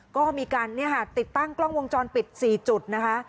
ก็มีการติดตั้งกล้องวงจรปิด๔จุดนะคะ